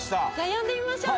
呼んでみましょう。